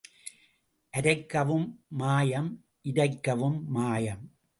அரைக்கவும் மாயம் இரைக்கவும் மாயம்.